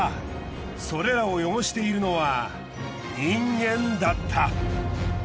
それらを汚しているのは人間だった。